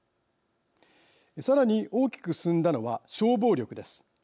さらに、大きく進んだのは消防力です。